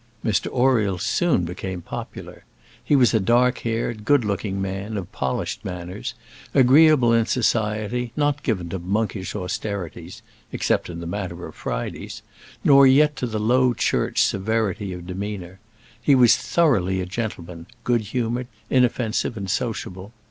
Mr Oriel soon became popular. He was a dark haired, good looking man, of polished manners, agreeable in society, not given to monkish austerities except in the matter of Fridays nor yet to the Low Church severity of demeanour. He was thoroughly a gentleman, good humoured, inoffensive, and sociable.